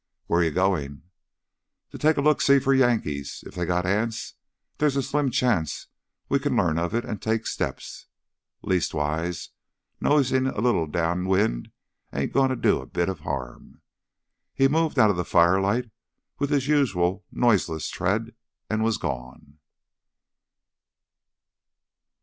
"Where're you going?" "Take a look see for Yankees. If they got Anse, there's a slim chance we can learn of it and take steps. Leastwise, nosing a little downwind ain't goin' to do a bit of harm." He moved out of the firelight with his usual noiseless tread and was gone.